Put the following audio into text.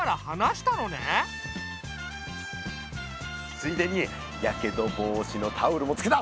ついでにやけど防止のタオルもつけた！